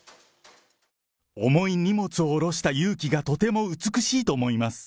重い荷物を下ろした勇気がとても美しいと思います。